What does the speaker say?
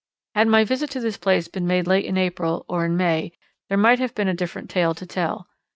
Had my visit to this place been made late in April, or in May, there might have been a different tale to tell.